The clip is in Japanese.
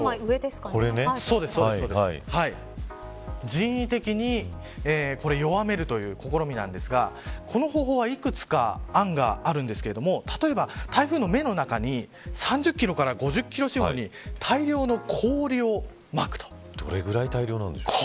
人為的に、これ弱めるという試みなんですがこの方法はいくつか案があるんですけれども、例えば台風の目の中に３０キロから５０キロ四方にどれぐらい大量なんでしょう。